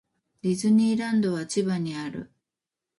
ディズニーランドは千葉にある。